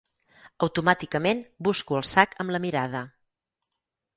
Automàticament busco el sac amb la mirada.